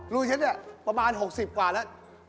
ลุงฉันเนี่ยประมาณ๖๐กว่าแล้ว